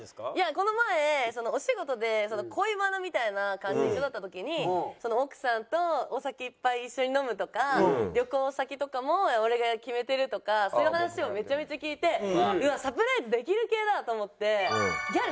この前お仕事で恋バナみたいな感じ一緒だった時に奥さんとお酒いっぱい一緒に飲むとか旅行先とかも俺が決めてるとかそういう話をめちゃめちゃ聞いてうわっサプライズできる系だ！と思ってギャル